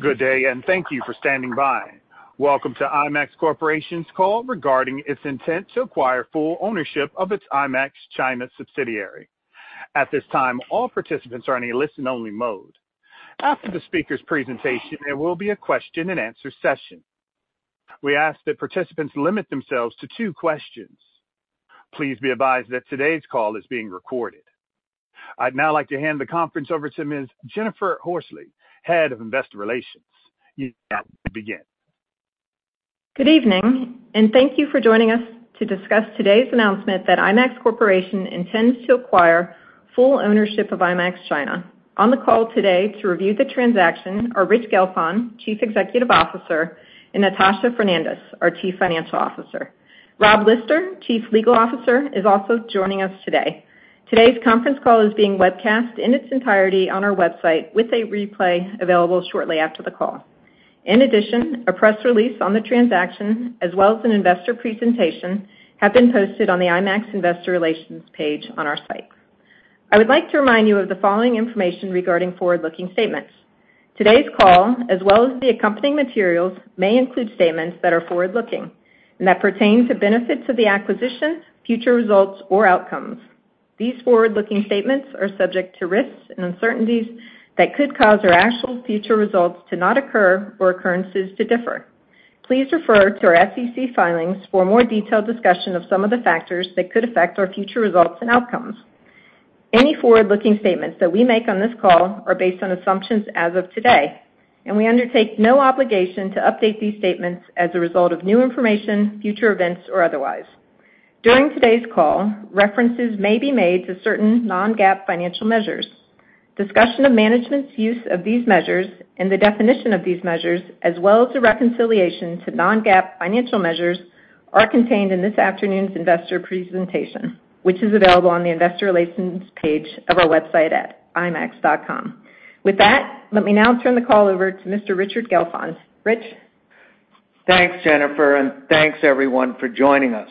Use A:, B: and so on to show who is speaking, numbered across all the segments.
A: Good day. Thank you for standing by. Welcome to IMAX Corporation's call regarding its intent to acquire full ownership of its IMAX China subsidiary. At this time, all participants are in a listen-only mode. After the speaker's presentation, there will be a question-and-answer session. We ask that participants limit themselves to two questions. Please be advised that today's call is being recorded. I'd now like to hand the conference over to Ms. Jennifer Horsley, Head of Investor Relations. You can begin.
B: Good evening, thank you for joining us to discuss today's announcement that IMAX Corporation intends to acquire full ownership of IMAX China. On the call today to review the transaction are Rich Gelfond, Chief Executive Officer, and Natasha Fernandes, our Chief Financial Officer. Rob Lister, Chief Legal Officer, is also joining us today. Today's conference call is being webcast in its entirety on our website, with a replay available shortly after the call. In addition, a press release on the transaction, as well as an investor presentation, have been posted on the IMAX Investor Relations page on our site. I would like to remind you of the following information regarding forward-looking statements. Today's call, as well as the accompanying materials, may include statements that are forward-looking and that pertain to benefits of the acquisition, future results, or outcomes. These forward-looking statements are subject to risks and uncertainties that could cause our actual future results to not occur or occurrences to differ. Please refer to our SEC filings for a more detailed discussion of some of the factors that could affect our future results and outcomes. Any forward-looking statements that we make on this call are based on assumptions as of today, and we undertake no obligation to update these statements as a result of new information, future events, or otherwise. During today's call, references may be made to certain non-GAAP financial measures. Discussion of management's use of these measures and the definition of these measures, as well as the reconciliation to non-GAAP financial measures, are contained in this afternoon's investor presentation, which is available on the Investor Relations page of our website at imax.com. With that, let me now turn the call over to Mr. Richard Gelfond. Rich?
C: Thanks, Jennifer, and thanks, everyone, for joining us.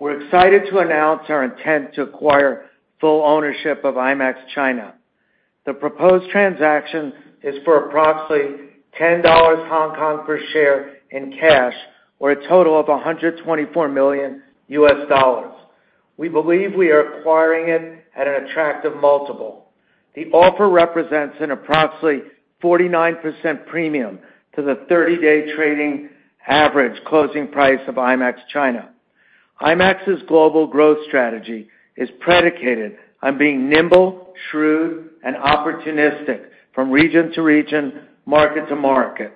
C: We're excited to announce our intent to acquire full ownership of IMAX China. The proposed transaction is for approximately 10 Hong Kong dollars per share in cash or a total of $124 million. We believe we are acquiring it at an attractive multiple. The offer represents an approximately 49% premium to the 30-day trading average closing price of IMAX China. IMAX's global growth strategy is predicated on being nimble, shrewd, and opportunistic from region to region, market to market.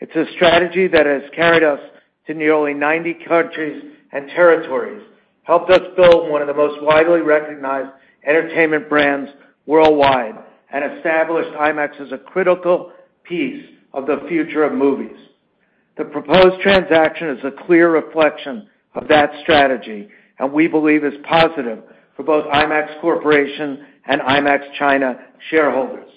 C: It's a strategy that has carried us to nearly 90 countries and territories, helped us build one of the most widely recognized entertainment brands worldwide, and established IMAX as a critical piece of the future of movies. The proposed transaction is a clear reflection of that strategy, and we believe is positive for both IMAX Corporation and IMAX China shareholders.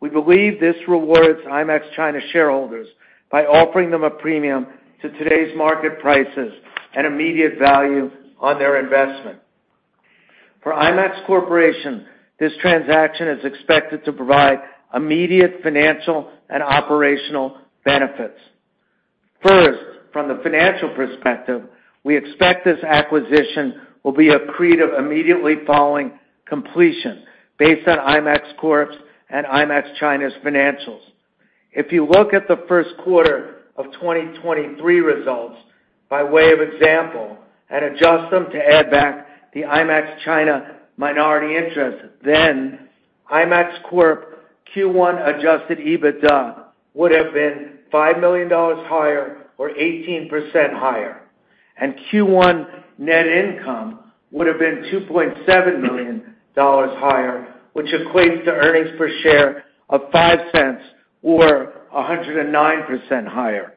C: We believe this rewards IMAX China shareholders by offering them a premium to today's market prices and immediate value on their investment. For IMAX Corporation, this transaction is expected to provide immediate financial and operational benefits. First, from the financial perspective, we expect this acquisition will be accretive immediately following completion based on IMAX Corp.'s and IMAX China's financials. If you look at the Q1 of 2023 results, by way of example, and adjust them to add back the IMAX China minority interest, then IMAX Corp Q1 adjusted EBITDA would have been $5 million higher or 18% higher, and Q1 net income would have been $2.7 million higher, which equates to earnings per share of $0.05 or 109% higher.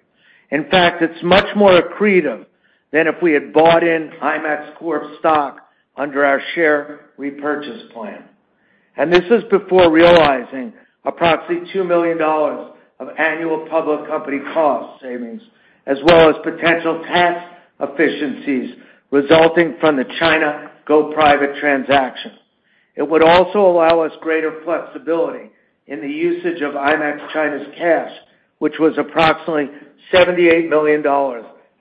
C: In fact, it's much more accretive than if we had bought in IMAX Corp stock under our share repurchase plan. This is before realizing approximately $2 million of annual public company cost savings, as well as potential tax efficiencies resulting from the China go-private transaction. It would also allow us greater flexibility in the usage of IMAX China's cash, which was approximately $78 million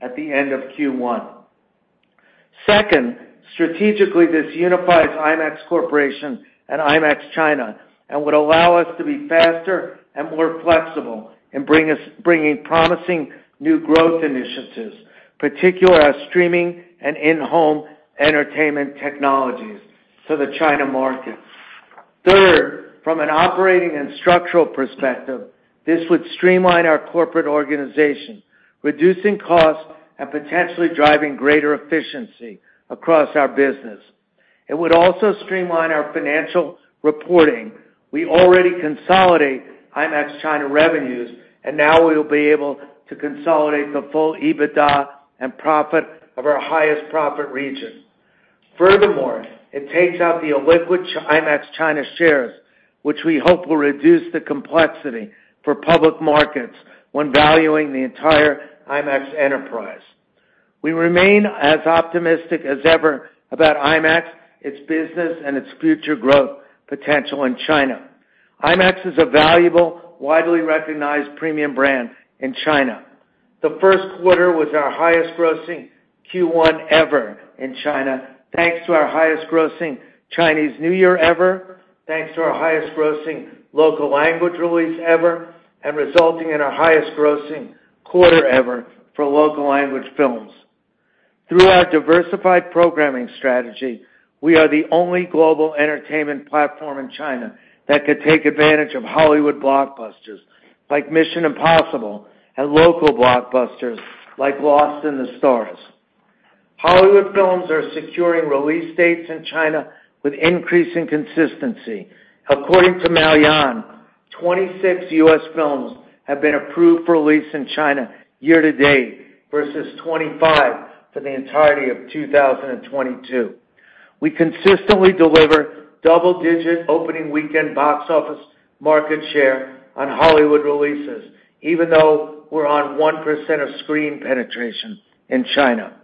C: at the end of Q1. Second, strategically, this unifies IMAX Corporation and IMAX China would allow us to be faster and more flexible in bringing promising new growth initiatives, particularly our streaming and in-home entertainment technologies to the China market. Third, from an operating and structural perspective, this would streamline our corporate organization, reducing costs and potentially driving greater efficiency across our business. It would also streamline our financial reporting. We already consolidate IMAX China revenues, now we will be able to consolidate the full EBITDA and profit of our highest profit region. Furthermore, it takes out the illiquid IMAX China shares, which we hope will reduce the complexity for public markets when valuing the entire IMAX enterprise. We remain as optimistic as ever about IMAX, its business, and its future growth potential in China. IMAX is a valuable, widely recognized premium brand in China. The Q1 was our highest grossing Q1 ever in China, thanks to our highest grossing Chinese New Year ever, thanks to our highest grossing local language release ever, resulting in our highest grossing quarter ever for local language films. Through our diversified programming strategy, we are the only global entertainment platform in China that could take advantage of Hollywood blockbusters like Mission: Impossible, and local blockbusters like Lost in the Stars. Hollywood films are securing release dates in China with increasing consistency. According to Maoyan, 26 U.S. films have been approved for release in China year-to-date, versus 25 for the entirety of 2022. We consistently deliver double-digit opening weekend box office market share on Hollywood releases, even though we're on 1% of screen penetration in China.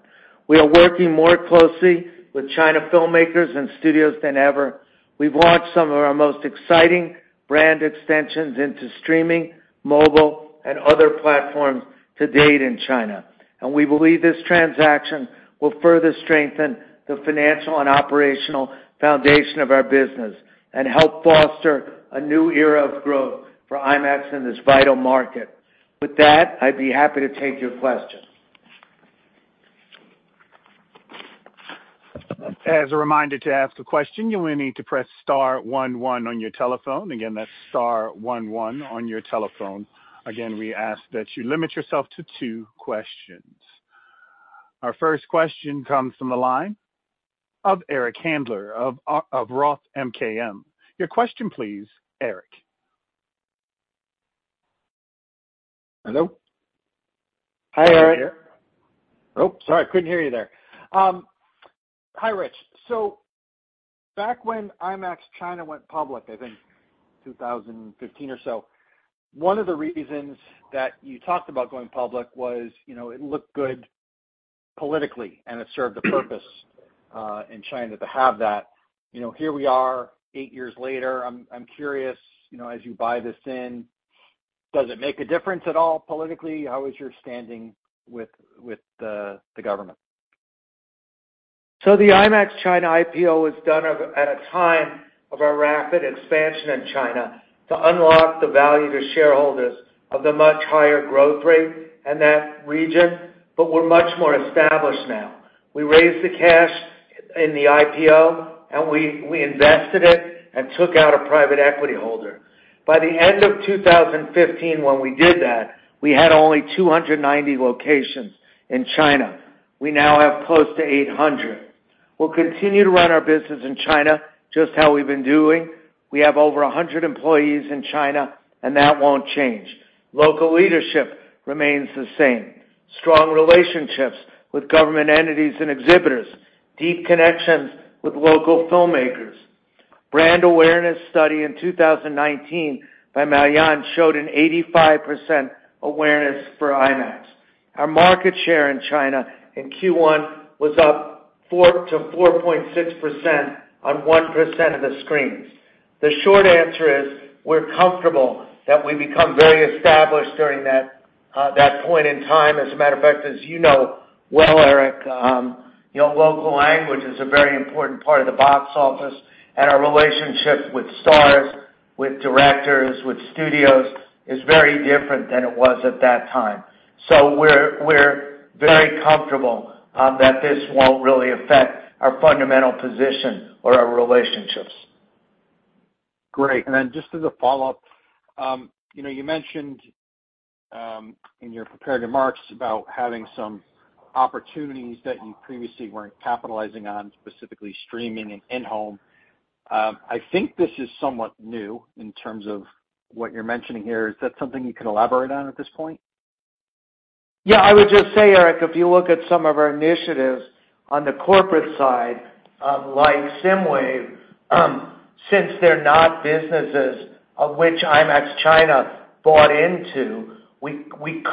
C: We are working more closely with China filmmakers and studios than ever. We've launched some of our most exciting brand extensions into streaming, mobile, and other platforms to date in China. We believe this transaction will further strengthen the financial and operational foundation of our business and help foster a new era of growth for IMAX in this vital market. With that, I'd be happy to take your questions.
A: As a reminder, to ask a question, you will need to press star one one on your telephone. Again, that's star one one on your telephone. Again, we ask that you limit yourself to two questions. Our first question comes from the line of Eric Handler of Roth MKM. Your question please, Eric.
D: Hello?
C: Hi, Eric.
D: Sorry, couldn't hear you there. Hi, Rich. Back when IMAX China went public, I think 2015 or so, one of the reasons that you talked about going public was, you know, it looked good politically, and it served a purpose in China to have that. You know, here we are, eight years later. I'm curious, you know, as you buy this in, does it make a difference at all politically? How is your standing with the government?
C: The IMAX China IPO was done of, at a time of our rapid expansion in China to unlock the value to shareholders of the much higher growth rate in that region, but we're much more established now. We raised the cash in the IPO, and we invested it and took out a private equity holder. By the end of 2015, when we did that, we had only 290 locations in China. We now have close to 800. We'll continue to run our business in China just how we've been doing. We have over 100 employees in China, and that won't change. Local leadership remains the same. Strong relationships with government entities and exhibitors, deep connections with local filmmakers. Brand awareness study in 2019 by Maoyan showed an 85% awareness for IMAX. Our market share in China in Q1 was up 4%-4.6% on 1% of the screens. The short answer is, we're comfortable that we've become very established during that point in time. As a matter of fact, as you know well, Eric, you know, local language is a very important part of the box office, and our relationships with stars, with directors, with studios is very different than it was at that time. We're, we're very comfortable that this won't really affect our fundamental position or our relationships.
D: Great. Just as a follow-up, you know, you mentioned in your prepared remarks about having some opportunities that you previously weren't capitalizing on, specifically streaming and in-home. I think this is somewhat new in terms of what you're mentioning here. Is that something you can elaborate on at this point?
C: Yeah, I would just say, Eric, if you look at some of our initiatives on the corporate side, like SSIMWAVE, since they're not businesses of which IMAX China bought into, we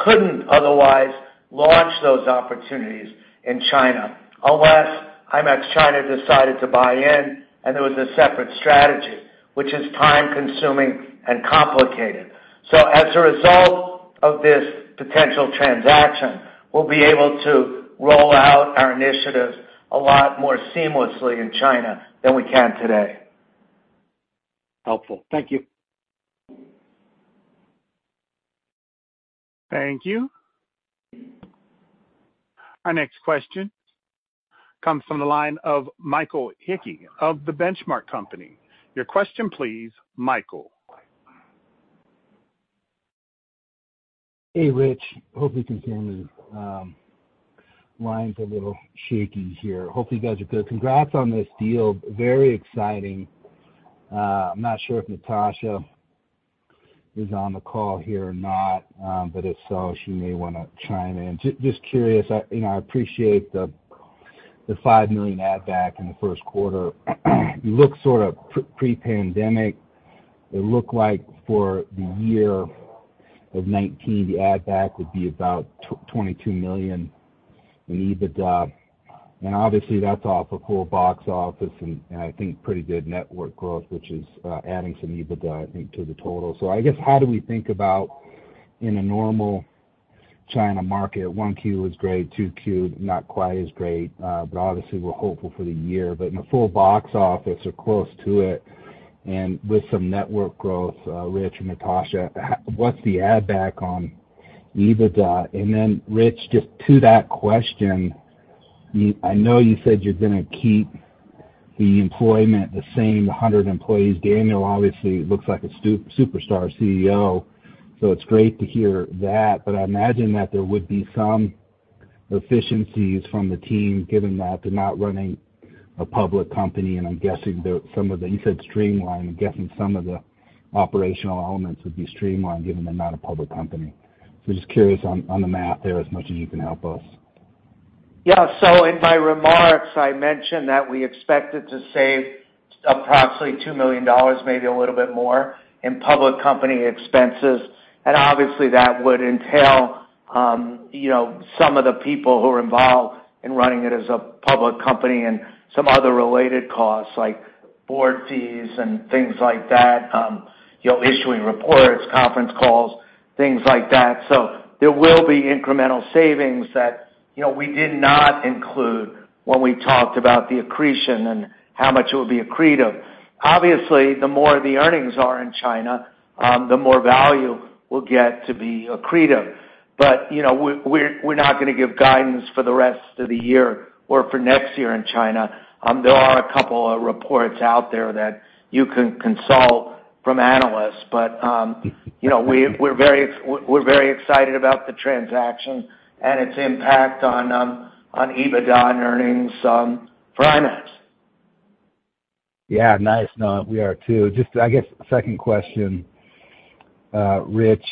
C: couldn't otherwise launch those opportunities in China. Unless IMAX China decided to buy in and there was a separate strategy, which is time-consuming and complicated. As a result of this potential transaction, we'll be able to roll out our initiatives a lot more seamlessly in China than we can today.
D: Helpful. Thank you.
A: Thank you. Our next question comes from the line of Michael Hickey of The Benchmark Company. Your question please, Michael.
E: Hey, Rich. Hope you can hear me. The line's a little shaky here. Hope you guys are good. Congrats on this deal. Very exciting. I'm not sure if Natasha is on the call here or not, but if so, she may want to chime in. Just curious, you know, I appreciate the $5 million add back in Q1. You look sort of pre-pandemic, it looked like for the year of 2019, the add back would be about $22 million in EBITDA. Obviously, that's off a full box office and I think pretty good network growth, which is adding some EBITDA, I think, to the total. I guess, how do we think about in a normal China market, Q1 is great, Q2, not quite as great, but obviously, we're hopeful for the year. In a full box office or close to it, and with some network growth, Rich and Natasha, what's the add back on EBITDA? Then Rich, just to that question, I know you said you're gonna keep the employment the same, 100 employees. Daniel obviously looks like a superstar CEO, so it's great to hear that. I imagine that there would be some efficiencies from the team, given that they're not running a public company, and I'm guessing that you said streamline. I'm guessing some of the operational elements would be streamlined, given they're not a public company. Just curious on the math there, as much as you can help us.
C: In my remarks, I mentioned that we expected to save approximately $2 million, maybe a little bit more, in public company expenses, and obviously, that would entail, you know, some of the people who are involved in running it as a public company and some other related costs, like board fees and things like that, you know, issuing reports, conference calls, things like that. There will be incremental savings that, you know, we did not include when we talked about the accretion and how much it will be accretive. Obviously, the more the earnings are in China, the more value we'll get to be accretive. You know, we're not gonna give guidance for the rest of the year or for next year in China. There are a couple of reports out there that you can consult from analysts, but, you know, we're very excited about the transaction and its impact on EBITDA and earnings for IMAX.
E: Yeah, nice. No, we are too. Just, I guess, second question, Rich.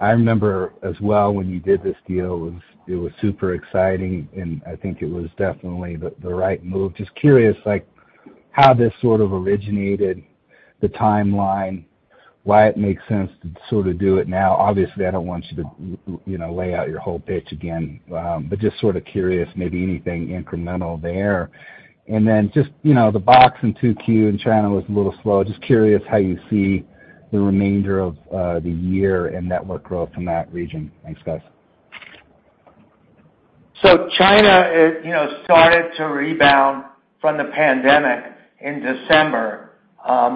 E: I remember as well when you did this deal, it was super exciting, and I think it was definitely the right move. Just curious, like, how this sort of originated, the timeline, why it makes sense to sort of do it now. Obviously, I don't want you to, you know, lay out your whole pitch again, but just sort of curious, maybe anything incremental there. Just, you know, the box in Q2 in China was a little slow. Just curious how you see the remainder of the year and network growth in that region. Thanks, guys.
C: China, it, you know, started to rebound from the pandemic in December,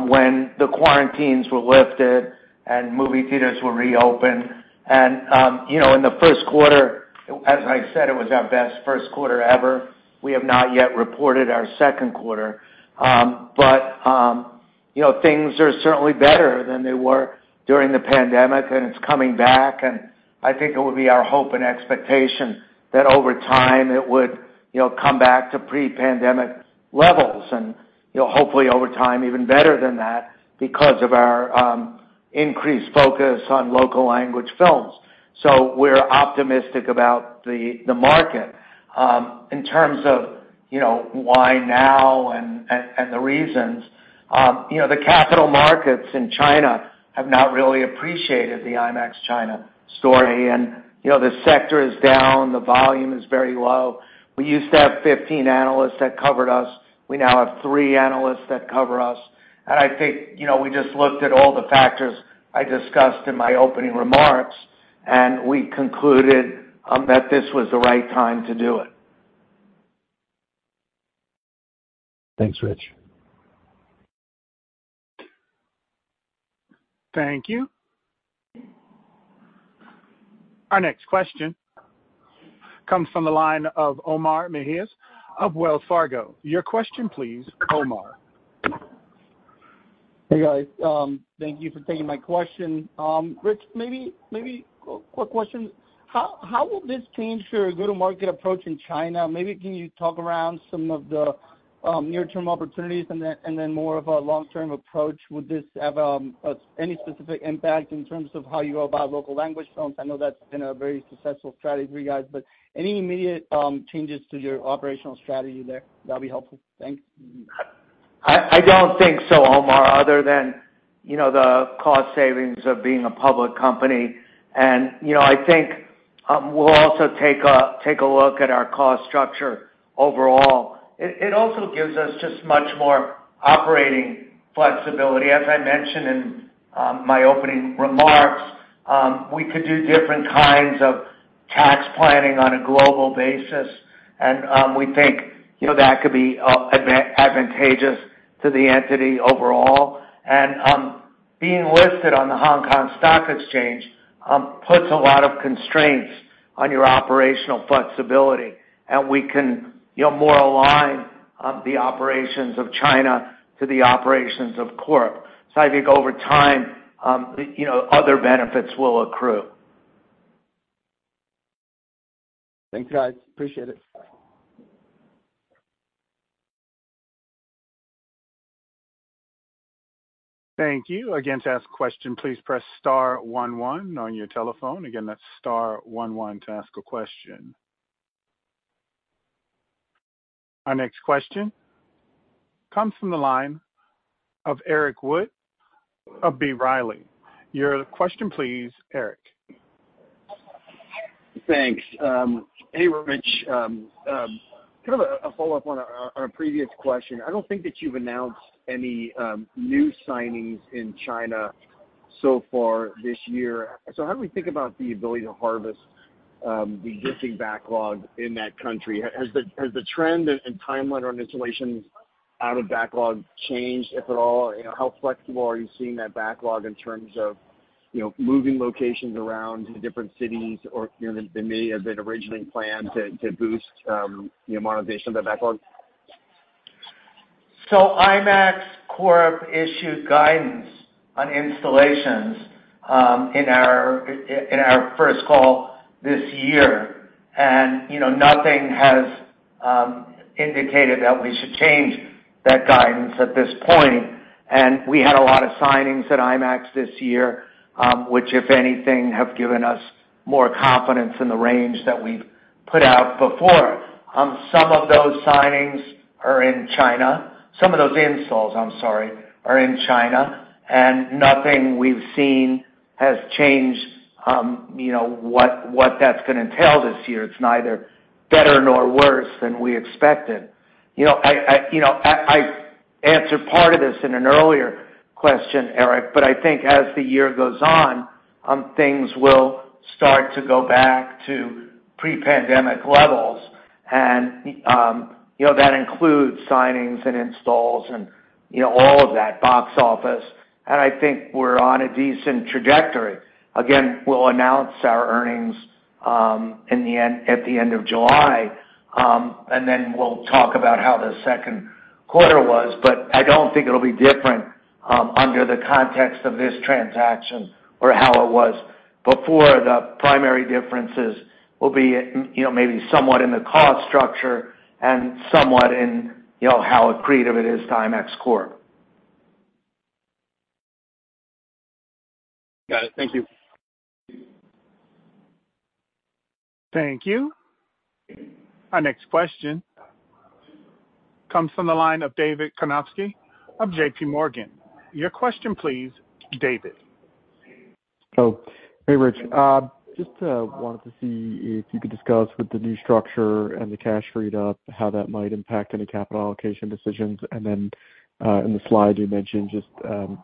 C: when the quarantines were lifted and movie theaters were reopened. You know, in the Q1, as I said, it was our best Q1 ever. We have not yet reported our Q2. You know, things are certainly better than they were during the pandemic, and it's coming back, and I think it would be our hope and expectation that over time it would, you know, come back to pre-pandemic levels and, you know, hopefully over time, even better than that, because of our increased focus on local language films. We're optimistic about the market. In terms of, you know, why now and the reasons, you know, the capital markets in China have not really appreciated the IMAX China story, and, you know, the sector is down, the volume is very low. We used to have 15 analysts that covered us. We now have three analysts that cover us, and I think, you know, we just looked at all the factors I discussed in my opening remarks, and we concluded that this was the right time to do it.
E: Thanks, Rich.
A: Thank you. Our next question comes from the line of Omar Mejias of Wells Fargo. Your question, please, Omar.
F: Hey, guys. Thank you for taking my question. Rich, maybe quick question. How will this change your go-to-market approach in China? Can you talk around some of the near-term opportunities and then more of a long-term approach? Would this have any specific impact in terms of how you go about local language films? I know that's been a very successful strategy for you guys, any immediate changes to your operational strategy there, that'll be helpful. Thanks.
C: I don't think so, Omar, other than, you know, the cost savings of being a public company. You know, I think we'll also take a look at our cost structure overall. It also gives us just much more operating flexibility. As I mentioned in my opening remarks, we could do different kinds of tax planning on a global basis, and we think, you know, that could be advantageous to the entity overall. Being listed on the Hong Kong Stock Exchange puts a lot of constraints on your operational flexibility, and we can, you know, more align the operations of China to the operations of Corp. I think over time, you know, other benefits will accrue.
F: Thanks, guys. Appreciate it....
A: Thank you. Again, to ask a question, please press star 11 on your telephone. Again, that's star 11 to ask a question. Our next question comes from the line of Eric Wold of B. Riley. Your question, please, Eric.
G: Thanks. Hey, Rich. Kind of a follow-up on a previous question. I don't think that you've announced any new signings in China so far this year. How do we think about the ability to harvest the existing backlog in that country? Has the trend and timeline on installations out of backlog changed, if at all? You know, how flexible are you seeing that backlog in terms of, you know, moving locations around to different cities or, you know, than may have been originally planned to boost the monetization of that backlog?
C: IMAX Corp issued guidance on installations in our first call this year, and, you know, nothing has indicated that we should change that guidance at this point. We had a lot of signings at IMAX this year, which, if anything, have given us more confidence in the range that we've put out before. Some of those signings are in China. Some of those installs, I'm sorry, are in China. Nothing we've seen has changed, you know, what that's gonna entail this year. It's neither better nor worse than we expected. You know, I answered part of this in an earlier question, Eric, but I think as the year goes on, things will start to go back to pre-pandemic levels. You know, that includes signings and installs and, you know, all of that, box office. I think we're on a decent trajectory. Again, we'll announce our earnings at the end of July, then we'll talk about how the Q2 was, but I don't think it'll be different under the context of this transaction or how it was before. The primary differences will be in, you know, maybe somewhat in the cost structure and somewhat in, you know, how accretive it is to IMAX Corp.
G: Got it. Thank you.
A: Thank you. Our next question comes from the line of David Karnovsky of JPMorgan. Your question, please, David.
H: Hey, Rich, just wanted to see if you could discuss with the new structure and the cash freed up, how that might impact any capital allocation decisions. In the slide, you mentioned just,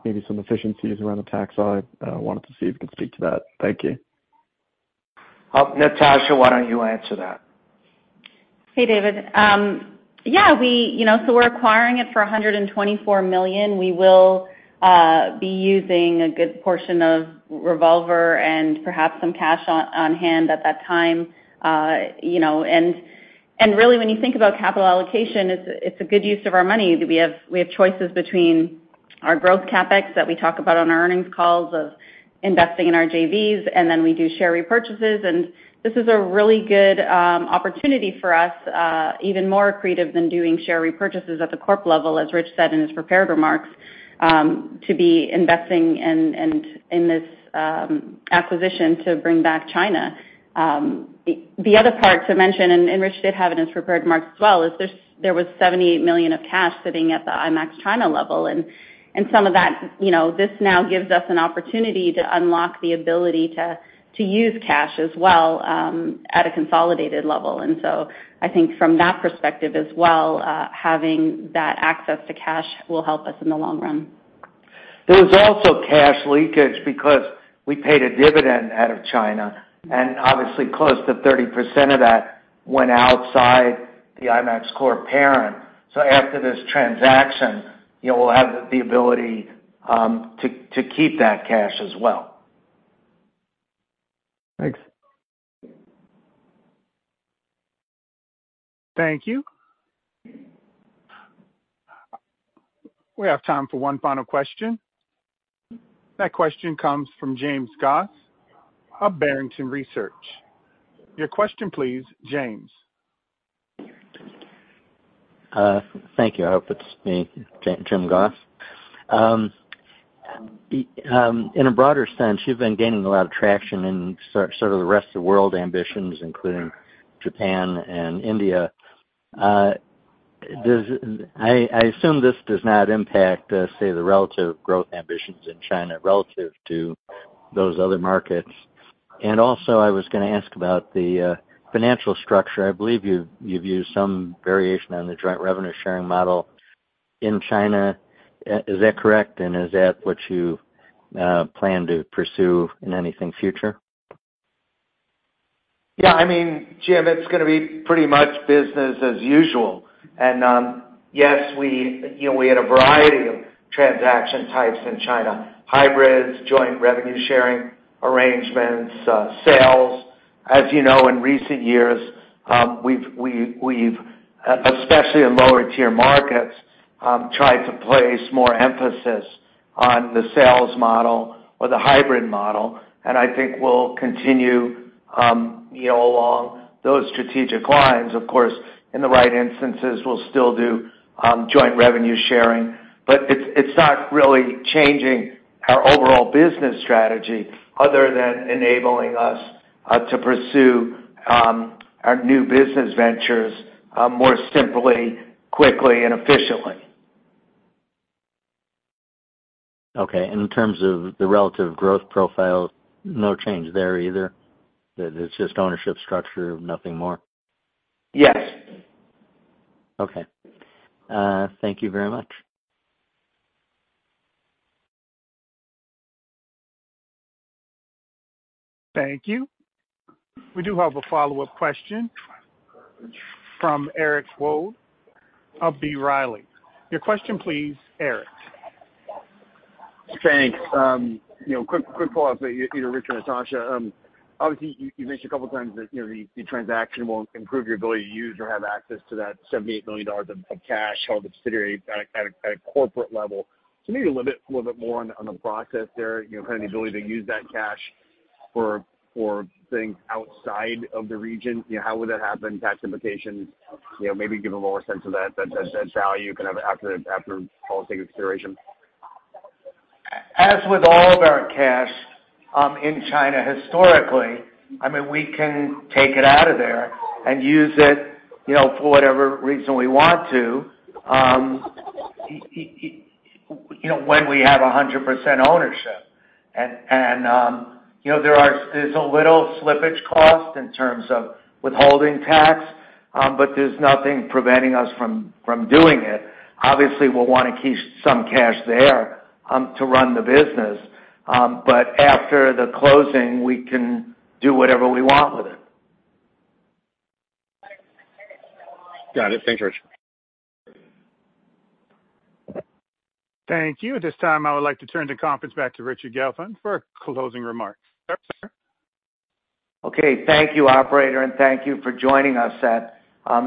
H: maybe some efficiencies around the tax side. Wanted to see if you could speak to that. Thank you.
C: Natasha, why don't you answer that?
I: Hey, David. Yeah, we, you know, we're acquiring it for $124 million. We will be using a good portion of revolver and perhaps some cash on hand at that time. You know, really, when you think about capital allocation, it's a good use of our money. We have choices between our growth CapEx that we talk about on our earnings calls of investing in our JVs, we do share repurchases. This is a really good opportunity for us, even more accretive than doing share repurchases at the Corp level, as Rich said in his prepared remarks, to be investing in this acquisition to bring back China. The other part to mention, and Rich did have it in his prepared remarks as well, is there was $78 million of cash sitting at the IMAX China level. Some of that, you know, this now gives us an opportunity to unlock the ability to use cash as well, at a consolidated level. I think from that perspective as well, having that access to cash will help us in the long run.
C: There was also cash leakage because we paid a dividend out of China, and obviously close to 30% of that went outside the IMAX Corp. parent. After this transaction, you know, we'll have the ability to keep that cash as well.
H: Thanks.
A: Thank you. We have time for one final question. That question comes from James Goss of Barrington Research. Your question please, James.
J: Thank you. I hope it's me, Jim Goss. In a broader sense, you've been gaining a lot of traction in sort of the rest of the world ambitions, including Japan and India. I assume this does not impact, say, the relative growth ambitions in China relative to those other markets. I was gonna ask about the financial structure. I believe you've used some variation on the joint revenue-sharing model in China. Is that correct, and is that what you plan to pursue in anything future?
C: Yeah, I mean, Jim, it's gonna be pretty much business as usual. Yes, we, you know, we had a variety of transaction types in China: hybrids, joint revenue sharing arrangements, sales. As you know, in recent years, we've, especially in lower-tier markets, tried to place more emphasis on the sales model or the hybrid model, and I think we'll continue, you know, along those strategic lines. Of course, in the right instances, we'll still do, joint revenue sharing, but it's not really changing our overall business strategy other than enabling us to pursue our new business ventures more simply, quickly and efficiently.
J: Okay. In terms of the relative growth profile, no change there either? That it's just ownership structure, nothing more.
C: Yes.
J: Okay. Thank you very much.
A: Thank you. We do have a follow-up question from Eric Wold of B. Riley. Your question, please, Eric.
G: Thanks. You know, quick follow-up to you, either Rich or Natasha. Obviously, you mentioned a couple of times that, you know, the transaction will improve your ability to use or have access to that $78 million of cash held subsidiary at a corporate level. Maybe a little bit more on the process there, you know, kind of the ability to use that cash for things outside of the region. You know, how would that happen, tax implications? You know, maybe give a lower sense of that value kind of after all things consideration.
C: As with all of our cash, in China, historically, I mean, we can take it out of there and use it, you know, for whatever reason we want to. You know, when we have 100% ownership and, you know, there's a little slippage cost in terms of withholding tax. There's nothing preventing us from doing it. Obviously, we'll wanna keep some cash there, to run the business. After the closing, we can do whatever we want with it.
G: Got it. Thanks, Richard.
A: Thank you. At this time, I would like to turn the conference back to Richard Gelfond for closing remarks. Sir?
C: Okay. Thank you, operator, and thank you for joining us at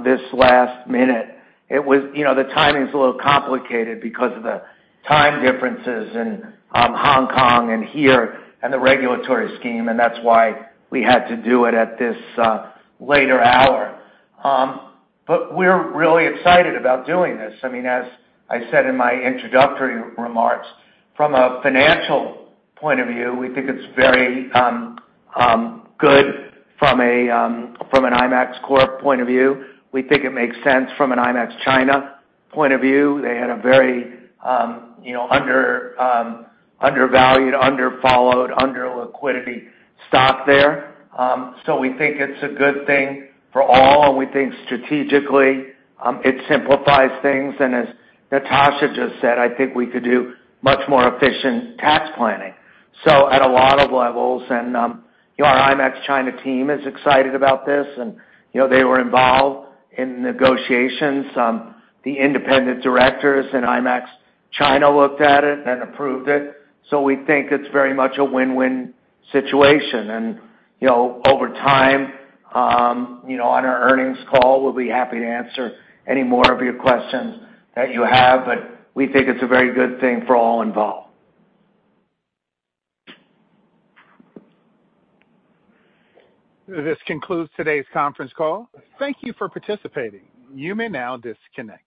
C: this last minute. You know, the timing's a little complicated because of the time differences in Hong Kong and here, and the regulatory scheme, that's why we had to do it at this later hour. We're really excited about doing this. I mean, as I said in my introductory remarks, from a financial point of view, we think it's very good from an IMAX Corp. point of view. We think it makes sense from an IMAX China point of view. They had a very, you know, undervalued, underfollowed, under liquidity stock there. We think it's a good thing for all, and we think strategically, it simplifies things. As Natasha just said, I think we could do much more efficient tax planning. At a lot of levels, and, you know, our IMAX China team is excited about this, and, you know, they were involved in the negotiations. The independent directors in IMAX China looked at it and approved it, so we think it's very much a win-win situation. You know, over time, you know, on our earnings call, we'll be happy to answer any more of your questions that you have, but we think it's a very good thing for all involved.
A: This concludes today's conference call. Thank you for participating. You may now disconnect.